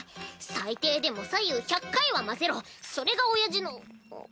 最低でも左右１００回は混ぜろそれがおやじのあっ。